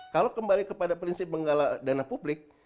kalau kembali kepada prinsip menggalak dana publik